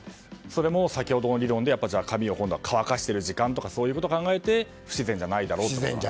それも先ほどの理論で髪を乾かしている時間とかそういうことを考えて不自然じゃないだろうと。